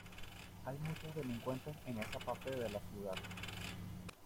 Hay muchos delincuentes en esa parte de la ciudad.